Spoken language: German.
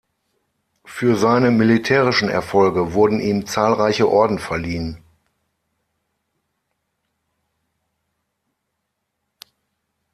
Für seine militärischen Erfolge wurden ihm zahlreiche Orden verliehen.